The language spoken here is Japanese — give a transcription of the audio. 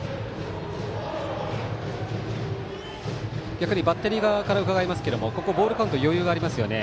逆にバッテリー側から伺いますけどここ、ボールカウント余裕がありますよね。